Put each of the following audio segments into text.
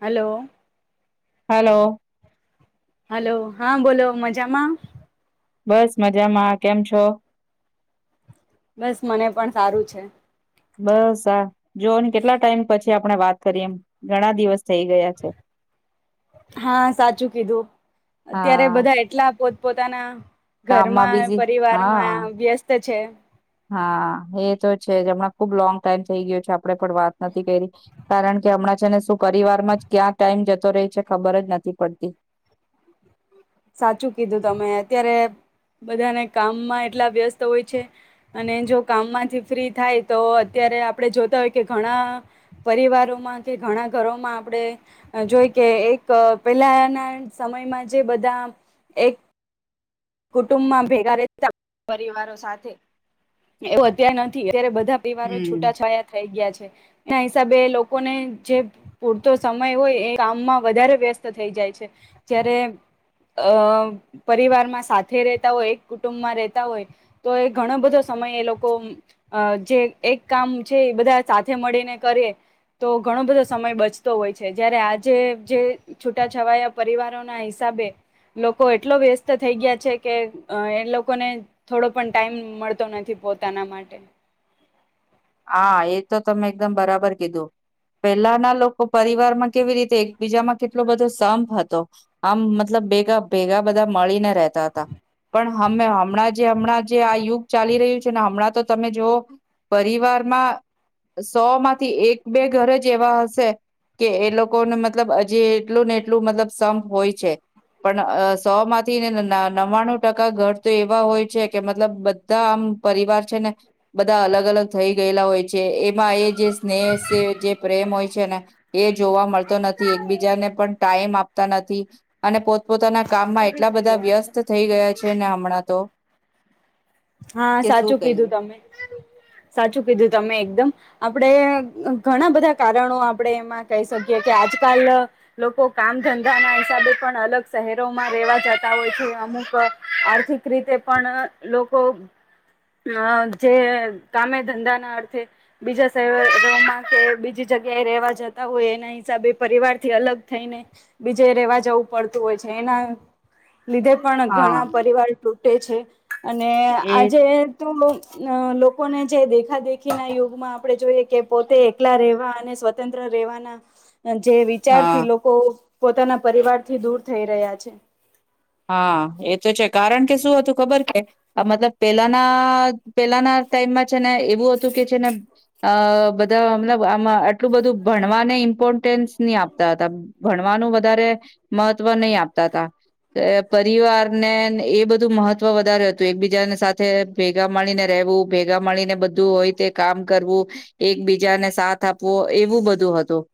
Hello. Hello. Hello હા બોલો મજામાં? બસ મજામાં કેમ છો? બસ મને પણ સારું છે. બસ આા જોઓને કેટલા ટાઈમ પછી આપણે વાત કરી એમ, ઘણા દિવસ થઈ ગયા છે. હા સાચું કીધું, અત્યારે હા બધા એટલા પો પોતાના કામમાં ઘરમાં બીઝી પરિવાર હા માં વ્યસ્ત છે. હા એ તો છે જ હમણાં ખુબ લોંગ ટાઈમ થઈ ગયો છે. આપ પણ વાત નથી કરી, કારણ કે હમણાં ને શું પરિવારમાં જ ક્યાં ટાઈમ જતો રહી છે ખબર જ નથી પડતી. સાચું કીધું તમે અત્યારે બધાને કામમાં એટલા વ્યસ્ત હોય છે અને જો કામમાંથી ફ્રી થાય તો અત્યારે આપણે જોતા હોય કે ઘણા પરિવારોમાં કે ઘણા ઘરોમાં આપણે જોઈ કે એક પહેલાના સમયમાં જે બધા એક કુટુંબમાં ભેગા રહેતા પરિવારો સા, થે એવું અત્યારે નથી અત્યારે બધા પીવારો હમ છૂટાછાયા થઈ ગયા છે. એના હિસાબે લોકોને જે પૂરતો સમય હોય એ કામમાં વધારે વ્યસ્ત થઈ જાય છે, જયારે અ પરિવારમાં સાથે રતા હોય એક કુટુંબમાં રહેતા હોય તો એ ઘણો બધો સમય એ લોકો જે એક કામ છે એ બધા સાથે મળીને કરીે તો ઘણો બધો સમય બચતો હોય છે, જયારે આજે જે છૂટાછવાયા પરિવારોના હિસાબે લોકો એટલો વ્યસ્ત થઈ ગયા. છે કે એ લોકોને થોડો પણ ટાઈમ મળતો નથી પોતાના માટે. હા એ તો તમે એકદમ બરાબર કીધું, પેલાના લોકો પરિવારમાં કેવી રીતે એકબીજામાં કેટલો બધો સંપ હતો આમ મતલબ ભેગા ભેગા બધા મળીને રહેતા હતા, પણમે હમણાં જે હમણાં જે આ યુગ ચાલી રહ્યું છે ને હમણાં તો તમે જોવ પરિવારમાં સો માંથી એક બે ઘર જ એવા હશે કે એ લોકોને મતલબ હજી એટલું ને એટલું મતલબ સંપ હોય છે પણ સો માંથી ને ન્વાણું ટકા ઘર તો એવા હોય છે કે મતલબ બધા આમ પરિવાર છે ને બધા અલગ અલગ થઈ ગયેલા હોય. જે એમાં એ જે સ્નેહ છે જે પ્રેમ હોય છે ને. એ જોવા મળતો નથી એકબીજાને પણ ટાઈમ આપતા નથી, અને પો પોતાના કામમાં પૂરી એટલા થઈ બધા વ્યસ્ત ગયા થઈ ગયા છે ને હમણાં તો. હા કે શું સાચું કીધું કહીએ તમે. સાચું કીધું તમે, એકદમ આપણેે ઘણા બધા કારણો આપણેે એમાં કહી શકીએ, કે આજકાલ લોકો કામ ધંધા ના હિસાબે પણ અલગ શહેરોમાં રહેેવા જતા હોય છે, અમુક આર્થિક રીતે પણ જે કામે ધંધા ના અર્થે બીજા શહેરોમાં કે બીજી જગ્યાએ રહેવા જતા હોય, એના હિસાબે પરિવાર થી અલગ થઈને બીજે રેવા જવું પડતું હોય છે, એના લીધે પણ હા ઘણા પરિવાર ટે છે. અને એ આજે તું અ લોકોને જે દેખા દેખી ના યુગમાં આપડણે જોઈએ. કે પોતે એકલા રહેેવા અને સ્વતંત્ર રેવાના. જે વિચાર હા થી લોકો પોતાના પરિવારથી દૂર થઈ રહ્યા છે હા એ તો છે કારણ કે શું હતું ખબર કે આ મતલબ પેલાના પેલાના ટાઈમમાં છે ને એવું હતું કે છે ને અ બધા મતલબ આમાં આટલું બધું ભણવાને ઇમ્પોર્ટન્સ નહી આપતા હતા ભણવાનું વધારે, મહત્વ નહ આપતા હતા. પરિવારને એ બધું મહત્ત્વ વધારે હતું એકબીજાને સાથે ભેગા મળીને રહેવું ભેગા મળીને બધું હોય તે કામ કરવું, એકબીજાને સાથ આપવો એવું બધું હતું,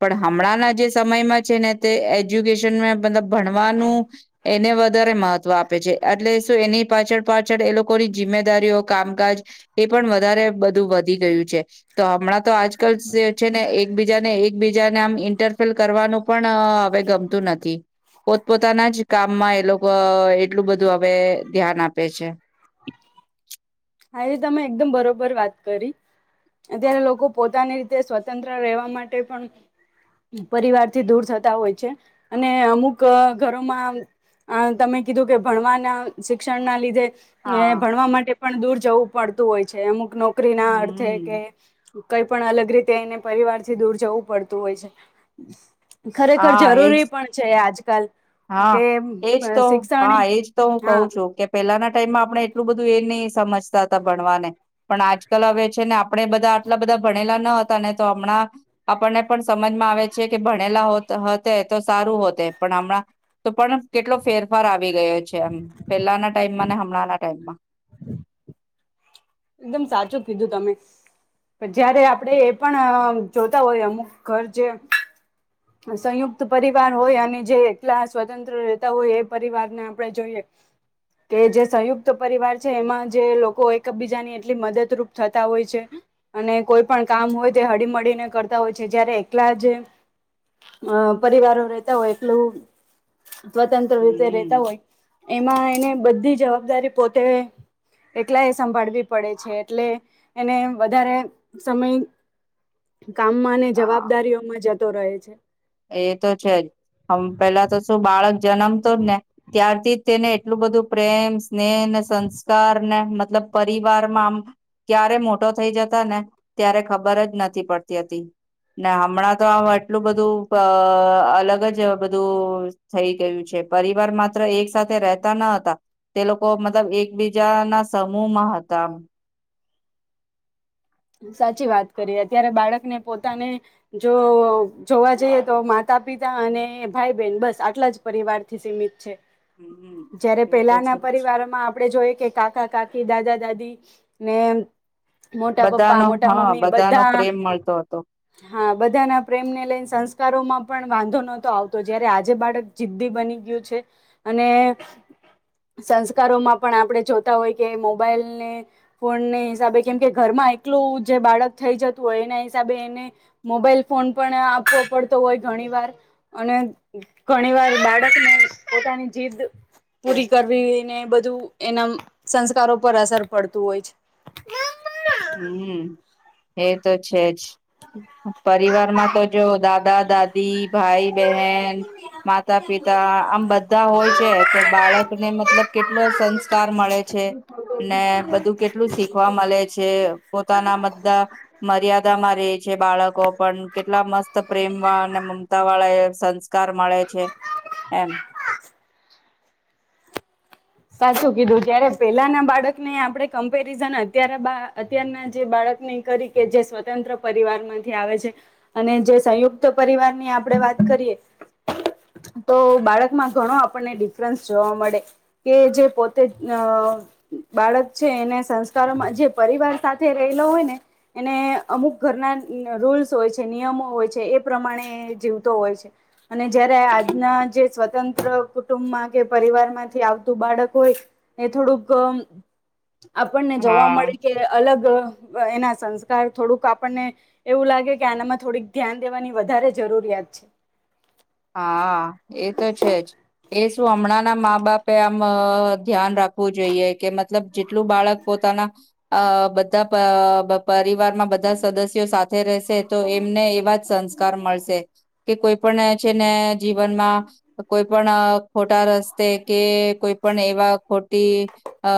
પણ હમણાંના જે સમયમાં છે ને તે એજ્યુકેશનમાં મતલબ ભણવાનું એને વધારે મહત્વ આપે છે એટલે શું એની પાછળ પાછળ એ લોકોની જિમ્મેદારીઓ કામકાજ, એ પણ વધારે બધું વધી ગયું છે તો હમણાં તો આજકાલ જે છે ને એકબીજાને એકબીજાને આમ ઇન્ટરફિલ કરવાનું પણ પણ હવે ગમતું નથી. પોતપ પોતાના જ કામમાં એ લોકો એટલું બધું હવે ધ્યાન આપે છે. હા એ તમે એકદમ બરોબર વાત કરી, અત્યારે લોકો પોતાની રીતે સ્વતંત્ર રહેવા માટે પણ પરિવાર થી દૂર થતા હોય છે, અને અમુક ઘરોમાં તમે કીધું કે ભણવાના શિક્ષણ ના લીધે એ હા ભણવા માટે દૂર જવું પડતું હોય છે અમુક ન નોકરી ના અર્થે કે હમ કઈ પણ અલગ રીતે એને પરિવારથી દૂર જવું પડતું હોય છે. ખરેખર હા એજ જરૂરી પણ છે આજ કાલ હા, એજ તો હા એજ તો હું કહું હા છું, કે પેલાના. ટાઈમમાં આપણે એટલું બધું એ નહી સમજતા હતા ભણવાને, પણ આજકાલ હવે છે ને આપ આપણે બધા આટલા બધા ભણેલા ન તને તો હમણાં, આપણને પણ સમજમાં આવે છે કે ભણેલા હોત હોતે. તો સારું હોતે પણ હમણાં તો પણ કેટલો ફેરફાર આવી ગયો છે, એમ પહેલાના ટાઈમમાં ને હમણાંના ટાઈમમાં. એકદમ સાચું કીધું તમે, પણ જયારે આપડે એ પણ જોતા હોય અમુક ઘર જે સંયુક્ત પરિવાર હોય અને જે એકલા સ્વતંત્ર રહેતા હોય એ પરિવારને આપણે જોઈએ, કે જે સંયુક્ત પરિવાર છે એમાં જે લોકો એકબીજાની એટલી મદદરૂપ થતા હોય છે, અને કોઈ પણ કામ હોય તે હળીમળીને કરતા હોય છે, જયારે એકલા જે અ પરિવારો રેતા હોય એટલું સ્વતંત્ર રીતે રેતા હમ હોય. એમાં એને બધી જવાબદારી પોતે, એકલાએ સંભાળવી પડે છે એટલે, એને વધારે, સમય કામમાં અને હા જવાબદારીઓમાં જતો રહે. એ તો છે, મ પેલા તો શું બાળક જન્મતો જ ને ત્યારથી જ તેને એટલું બધું પ્રેમ, સ્નેહને, સંસ્કારને મતલબ પરિવારમાં આમ ક્યારે મોટો થઈ જતા ને ત્યારે ખબર જ નથી પડતી હતી, ને હમણાં તો આ એટલું બધું અ અલગ જ બધું થઈ ગયું છે. પરિવાર માત્ર એક સાથે રહેતા ન હતા, તે લોકો મતલબ એકબીજાના સમૂહમાં હતા આમ. સાચી વાત કરીએ અત્યારે બાળકને પોતાને જો જોવા જઈએ તો માતા-પિતા અને, ભાઈ-બહેન બસ આટલા જ પરિવારથી સીમિત છે. હમ જયારે એ તો છે પેલાના જ. પરિવારમાં આપડે જોઈએ કે કાકા-કાકી દાદા-દાદી ને મોટા પપ પપ્પા, બધાનો મોટા હા મમ્મી બધાનો બધા પ્રેમ મળતો હતો હા બધાના પ્રેમને લઈને સંસ્કારોમાં પણ વાંધો નતો આવતો. જ્યારે આજે બાળક જિદદી બની ગયું છે, અને સંસ્કારોમાં પણ આપડે જોતા હોય કે મોબાઈલને ફોનને હિસાબે કેમ કે ઘરમાં એકલું જે બાળક થઈ જતું હોય એને હિસાબે એને મોબાઈલ ફોન પણ આપવો પડતો હોય ઘણી વાર અને ઘણી વાર બાળકને પોતાની જીદ પૂરી કરવીને બધું એના સંસ્કારો પર અસર પડતું હોય છે. હમ. એ તો છે જ. પરિવારમાં તો જો દાદા-દાદી, ભાઈ-બહેન, માતા-પિતા આમ બધા હોય છે તો બાળકને મ મતલબ કેટલો સંસ્કાર મળે. છે, ને બધું કેટલું શીખવા મલે જે પોતાના બધા મર્યાદામાં રે છે બાળકો પણ કેટલા મસ્ત પ્રેમવાળા અને મમતાવાળા કાર મળે છે એમ. સાચું કીધું જ્યારે પેલાના બાળકને આપણે કમ્પેરિઝન અતાર અત્યારના જે બાળકની કરી કે જે સ્વતંત્ર પરિવારમાંથી આવે છે અને જે સંયુક્ત પરિવારની આપણેે વાત કરીએ તો બાળકમાં ઘણો આપણને ડિફરન્સ જોવા મળે. કે જે પોતે બાળક છે એને સંસ્કારોમાં જે પરિવાર સાથે રહેલો હોય ને એને અમુક ઘરના રૂલ્સ હોય છે નિયમો હોય છે એ પ્રમાણે જીવતો હોય છે, અને જયારે આજના જે સ્વતંત્ર કુટુંબમાં કે પરિવાર માંથી આવ બાળકો હોય, એ થોડુંક આપણને જોવા હા મળે કે અલગ એના સંસ્કાર થોડુંક, આપણને એવું લાગે કે આનામાં થોડીક ધ્યાન દેવાની વધારે જરૂરિયાત છે. હા એ તો છે જ એ શું હમણાં ના મા બાપે આમ ધ્યાન રાખવું જોઈએ કે મતલબ જેટલું બાળક પોતાના અ બધા પરિવારમાં બધા સદસ્યો સાથે રહેશે તો એમને એવા જ સંસ્કાર મળશે. કે કોઈ પણ જેને જીવનમાં કોઈ પણ ખોટા રસ્તે, કે કોઈ પણ એવા ખોટી અ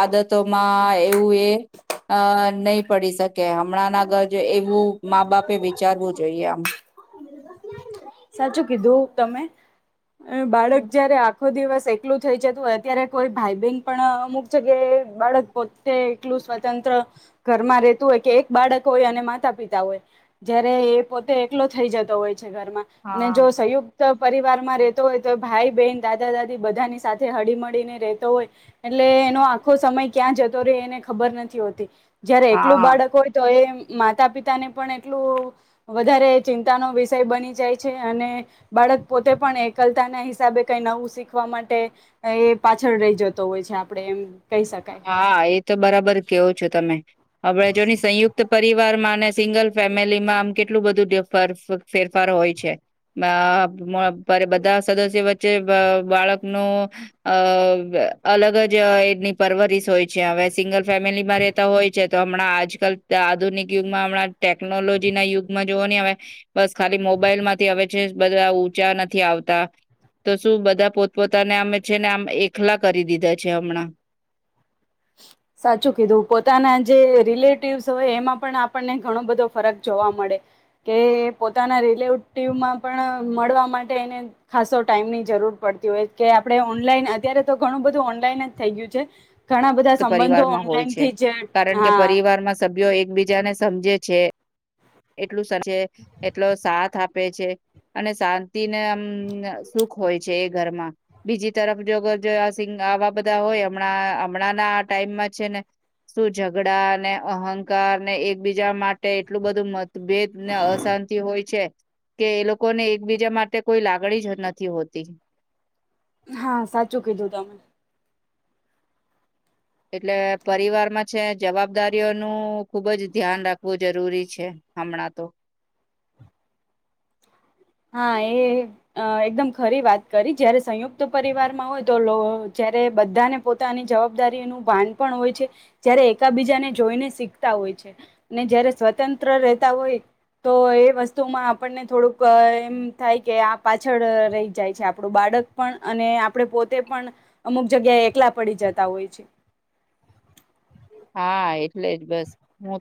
આદતોમાં એવું એ નહી પડી શકે. હમણાં ના ઘર જો એવું મા બાપે વિચારવું જોઈએ આમ. સાચું કીધું તમે. બાળક જયારે આખો દિવસ એકલું થઈ જતું હોય અ્યારે કોઈ ભાઈ બહેન પણ અમુક જગ્યાએ બાળક પોતે એકલું સ્વતંત્ર ઘરમાં રેતું હોય કે એક બાળક હોય અને માતા પિતા હોય જયારે એ પોતે એકલો થઈ જતો હોય છે ઘરમાં. અને હા જો સહયયોગ પરિવારમાં રહેતો હોય તો ભાઈ બહેન દાદા દાદી બધાની સાથે હળી મળીને રતો હોય એટલે એનો આખો સમય ક્યાં જતો રહે એને ખબર નથી હોતી. જયારે એકલું હા બાળક હોય તો એ માતા પિતા ને પણ એટલું વધારે ચિંતાનો વિષય બની જાય. અને બાળક પોતે પણ એકલતા ના હિસાબે કઈ નવું શીખવા માટે એ પાછળ રહી જતો હોય છે આપણેે એમ કહી શકાય હા એ તો બરાબર કેવો છો તમે. અબળજોની સંયુક્ત પરિવારમાં સિંગલ ફેમિલીમાં આમ કેટલું બધું ફેરફાર હોય છે બધા સદસ્ય વચ્ચે બાળક ન અ અલગ જ એ પરવરસ હોય છે હવે સિંગલ ફેમિલીમાં રતા હોય છે. તો હમણાં આજકાલ આધુનિક યુગમાં હમણાં ટેકનોલોજી ના યુગમાં જોવો નહી હવે બસ ખાલી મોબાઈલ માંથી હવે છે બધા ઊંચા નથી આવતા તો શું બધા પોતપોતાને અમે છે ને આમ એકલા કરી દીધા છે હમણાં. સાચું કીધું પોતાના જે રિલેટિવસ હોય એમાં પણ આપણને ઘણો બધો ફરક જોવા મળે કે પોતાના રિલેટિવમાં પણ મળવા માટે એને ખાસો ટાઈમની જરૂર પડતી હોય કે આપણે ઓનલાઈન અત્યારે તો ઘણું બધું ઓનલાઈન જ થઈ ગયું છે ઘણા બધા તો સંબંધો પરિવારમાં હોય છે ઓનલાઈનથી જ કારણ કે હા પરિવારમાં સભ્યો એકબીજાને સમજે. છે એટલું સર છે એટલો સાથ આપે છે અને શાંતિ ને આમ સુખ હોય છે એ ઘરમાં બીજી તરફ જો આવા બધા હોય હમણાં હમણાંના આ ટાઈમમાં છે ને શું ઝઘડા ને અહંકાર ને એકબીજા માટે એટલું બધું મતભેદ ને અશાંતિ હોય છે કે એ લોકોને એકબીજા માટે કોઈ લાગણી જ નથી હોતી. હા સાચું કીધું તમે. એટલે પરિવારમાં છે જવાબદારીઓનું ખુબ જ ધ્યાન રાખવું જરૂરી છે હમણાં તો. હા એ એકદમ ખરી વાત કરી જયારે સંયુક્ત પરિવારમાં હોય તો જ્યારે બધાને પોતાની જવાબદારીનું ભાન પણ હોય છે જ્યારે એકાબીજાને જોઈને શીખતા હોય છે ને જયારે સ્વતંત્ર રહેતા હોય તો એ વસ્તુમાં આપણને થોડુંક એમ થાય કે આ પાછળ રહી જાય છે આપણું બાળક પણ અને આપણે પોતે પણ અમુક જગ્યાએ એકલા પડી જતા હોય છે. હા એટલે જ બસ.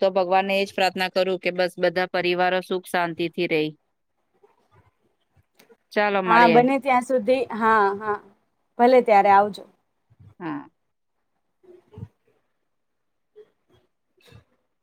તો ભગવાનને એ જ પ્રાર્થના કરું કે બસ બધા પરિવારો સુખ શાંતિથી રેય. હા બને ત્યાં સુધી હા હા ભલે ત્યારે આવજો. હા. [inaudible]